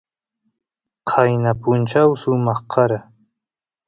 qayna punchaw sumaq kara